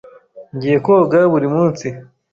Ngiye koga buri munsi.